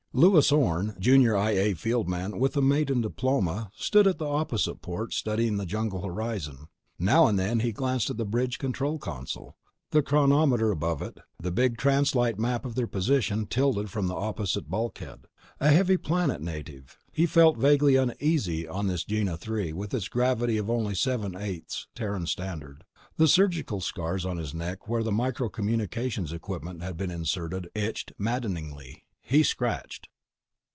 Lewis Orne, junior I A field man with a maiden diploma, stood at the opposite port, studying the jungle horizon. Now and then he glanced at the bridge control console, the chronometer above it, the big translite map of their position tilted from the opposite bulkhead. A heavy planet native, he felt vaguely uneasy on this Gienah III with its gravity of only seven eighths Terran Standard. The surgical scars on his neck where the micro communications equipment had been inserted itched maddeningly. He scratched.